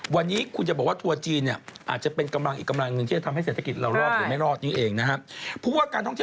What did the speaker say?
วันนี้คุณจะบอกว่ากับตัวจีนอาจจะเป็นอีกกำลังหนึ่ง